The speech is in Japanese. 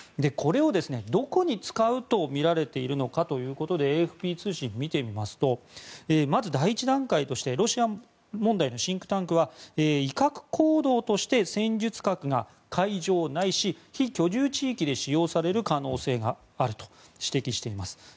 これをどこに使うとみられているのかということでＡＦＰ通信を見てみますとまず第１段階としてロシア問題のシンクタンクは威嚇行動として戦術核が海上ないし非居住地域で使用される可能性があると指摘しています。